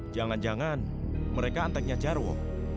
jangan jangan mereka antiknya jarwo